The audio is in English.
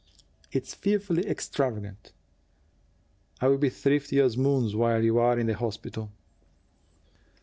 "It's fearfully extravagant." "I'll be thrifty as to moons while you are in the hospital."